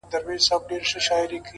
چي مي پېغلوټي د کابل ستایلې-